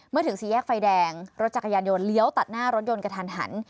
ถึงสี่แยกไฟแดงรถจักรยานยนต์เลี้ยวตัดหน้ารถยนต์กระทันหัน